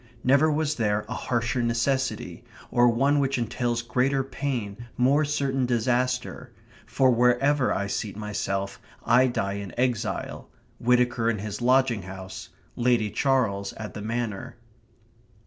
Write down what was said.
Never was there a harsher necessity! or one which entails greater pain, more certain disaster; for wherever I seat myself, I die in exile: Whittaker in his lodging house; Lady Charles at the Manor.